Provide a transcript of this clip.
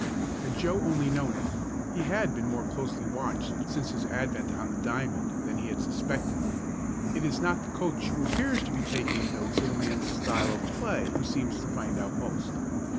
Had Joe only known it, he had been more closely watched since his advent on the diamond than he had suspected. It is not the coach who appears to be taking notes of a man's style of play who seems to find out most.